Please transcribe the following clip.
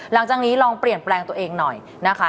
หลังจากนี้ลองเปลี่ยนแปลงตัวเองหน่อยนะคะ